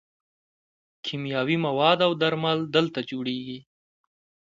کیمیاوي مواد او درمل دلته جوړیږي.